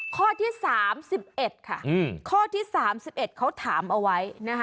ข้อที่๓๑ข้อที่๓๑เขาถามเอาไว้